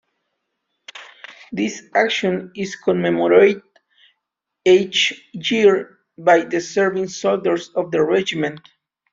This action is commemorated each year by the serving soldiers of the Regiment.